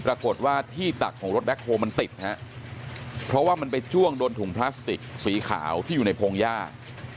ปรากฏว่าที่ตักของรถแบ็คโฮลมันติดฮะเพราะว่ามันไปจ้วงโดนถุงพลาสติกสีขาวที่อยู่ในพงหญ้า